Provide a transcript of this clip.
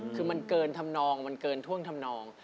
คือมันเกินทำนองมันเกินท่วงทำนอง